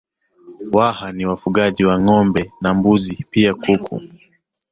Waha ni wafugaji wa Ngombe wa na mbuzi pia kuku